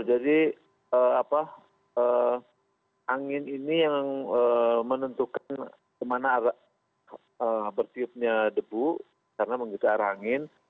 jadi angin ini yang menentukan kemana berdiupnya debu karena menggigit arah angin